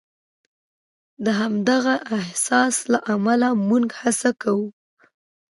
د همدغه احساس له امله موږ هڅه کوو.